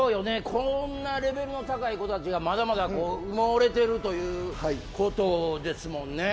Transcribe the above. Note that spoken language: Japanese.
こんなレベルの高い子たちがまだまだ埋もれてるということですもんね。